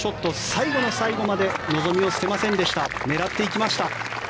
最後の最後まで望みを捨てませんでした狙っていきました。